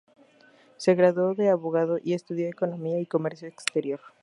Se graduó de abogado y estudió economía y comercio exterior.